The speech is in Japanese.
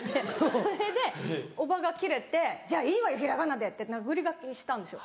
それでおばがキレて「じゃあいいわよ平仮名で」って殴り書きしたんですよ。